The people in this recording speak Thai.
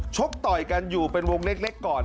กต่อยกันอยู่เป็นวงเล็กก่อน